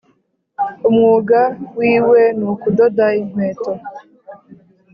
Umwuga wiwe nukudoda inkweto